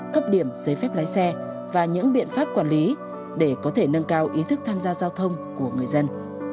cấp điểm giấy phép lái xe và những biện pháp quản lý để có thể nâng cao ý thức tham gia giao thông của người dân